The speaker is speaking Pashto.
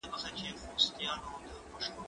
زه له سهاره بازار ته ځم!.